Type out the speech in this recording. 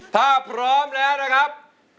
ถ้าพร้อมแล้วนะครับ